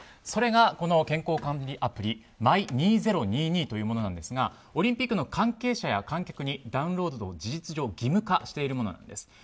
それがこの健康管理アプリＭＹ２０２２というものなんですがオリンピックの関係者や観客にダウンロードを事実上義務化しているものです。